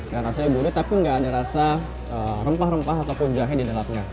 dan rasanya gurih tapi enggak ada rasa rempah rempah ataupun jahe di dalamnya